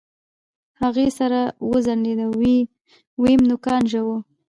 هغې سر وڅنډه ويم نوکان ژوو.